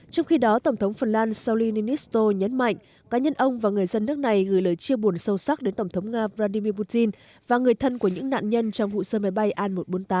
trong khi đó tổng thống phần lan solinesto nhấn mạnh cá nhân ông và người dân nước này gửi lời chia buồn sâu sắc đến tổng thống nga vladimir putin và người thân của những nạn nhân trong vụ rơi máy bay an một trăm bốn mươi tám